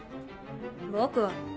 僕は。